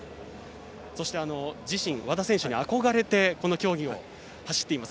そして、和田選手に憧れてこの競技を走っています